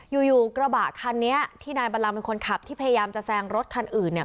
อยู่อยู่กระบะคันนี้ที่นายบัลลังเป็นคนขับที่พยายามจะแซงรถคันอื่นเนี่ย